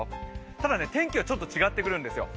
ただ天気はちょっと違ってくるんですよ。